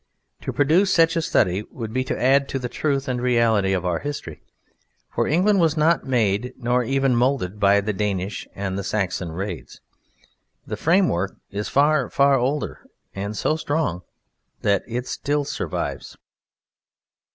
To produce such a study would be to add to the truth and reality of our history, for England was not made nor even moulded by the Danish and the Saxon raids. The framework is far, far older and so strong that it still survives.